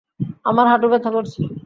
আমার হাঁটু ব্যাথা করছে!